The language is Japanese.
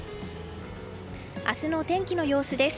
明日の天気の様子です。